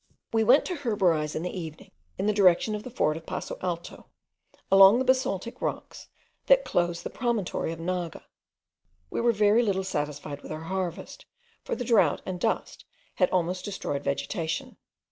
We went to herborize in the evening in the direction of the fort of Passo Alto, along the basaltic rocks that close the promontory of Naga. We were very little satisfied with our harvest, for the drought and dust had almost destroyed vegetation.